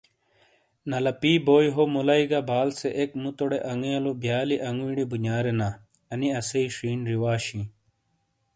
نالہ پی بوئی ہو مولائی گہ بال سے ایک مُوتوڈے انگیلو بیالی انگوئی ڈے بونیاریناانی اسئ شین رواش ہی۔